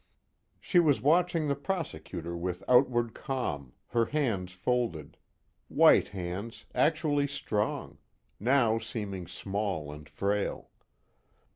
She was watching the prosecutor with outward calm, her hands folded white hands, actually strong, now seeming small and frail.